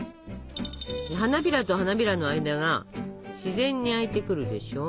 花びらと花びらの間が自然に開いてくるでしょ。